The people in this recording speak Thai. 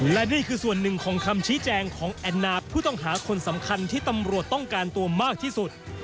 และนี่คือส่วนหนึ่งของคำชี้แจงของแอนนาผู้ต้องหาคนสำคัญที่ตำรวจต้องการตัวมากที่สุด